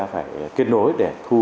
phải kết nối để thu